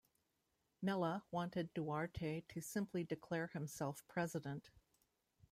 Mella wanted Duarte to simply declare himself president.